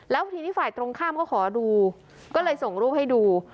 แล้วทีนี้ฝ่ายตรงข้ามเขาขอดูก็เลยส่งรูปให้ดู